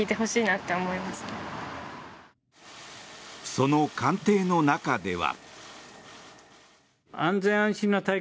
その官邸の中では。